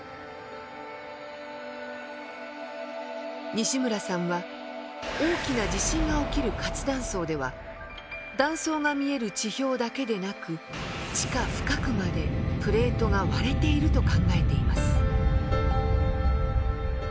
西村さんは大きな地震が起きる活断層では断層が見える地表だけでなく地下深くまでプレートが割れていると考えています。